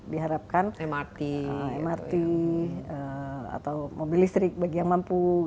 di harapkan mrt atau mobil listrik bagi yang mampu